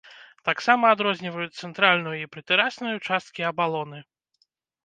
Таксама адрозніваюць цэнтральную і прытэрасную часткі абалоны.